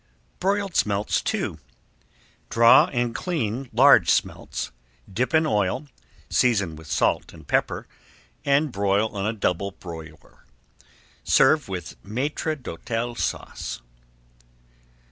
BROILED SMELTS II Draw and clean large smelts, dip in oil, season with salt and pepper, and broil on a double broiler. Serve with Maître d'Hôtel Sauce.